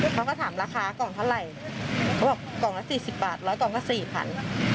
เขาก็ถามราคากล่องเท่าไหร่เขาบอกกล่องละสี่สิบบาทร้อยกล่องก็สี่พัน